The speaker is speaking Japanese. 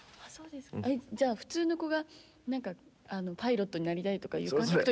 じゃあ普通の子がパイロットになりたいとかいう感覚と。